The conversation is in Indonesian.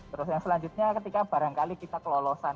terus yang selanjutnya ketika barangkali kita kelolosan